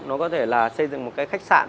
nó có thể là xây dựng một cái khách sạn